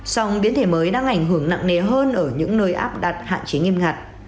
song biến thể mới đang ảnh hưởng nặng nề hơn ở những nơi áp đặt hạn chế nghiêm ngặt